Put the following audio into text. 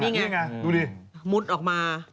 นี่งงนี่แงมุดออกมา